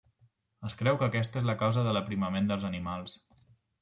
Es creu que aquesta és la causa de l'aprimament dels animals.